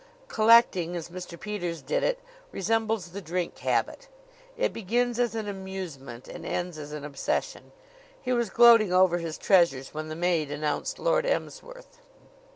Collecting, as Mr. Peters did it, resembles the drink habit. It begins as an amusement and ends as an obsession. He was gloating over his treasures when the maid announced Lord Emsworth.